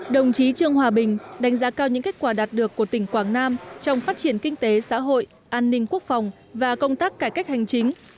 đồng chí trương hòa bình đánh giá cao những kết quả đạt được của tỉnh quảng nam trong phát triển kinh tế xã hội an ninh quốc phòng và công tác cải cách hành chính